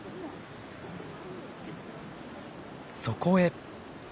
そこへ。